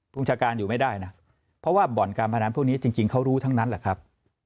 ประชาการอยู่ไม่ได้นะเพราะว่าบ่อนการพนันพวกนี้จริงเขารู้ทั้งนั้นแหละครับ